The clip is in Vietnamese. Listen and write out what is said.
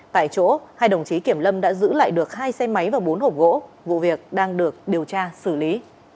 tại chỗ hai đồng chí kiểm lâm đã giữ lại được hai xe máy và bốn hộp gỗ vụ việc đang được điều tra xử lý